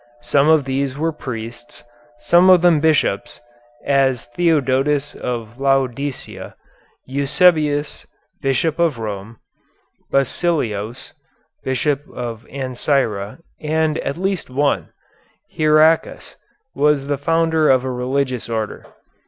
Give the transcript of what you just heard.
Some of these were priests, some of them bishops, as Theodotos of Laodicea; Eusebius, Bishop of Rome; Basilios, Bishop of Ancyra, and at least one, Hierakas, was the founder of a religious order.